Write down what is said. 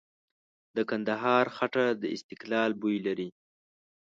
د کندهار خټه د استقلال بوی لري.